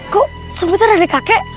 kok supitnya ada di kakek